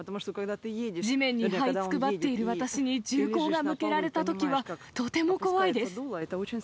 地面にはいつくばっている私に銃口が向けられたときは、とても怖いです。